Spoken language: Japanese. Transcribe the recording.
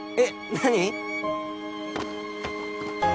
何？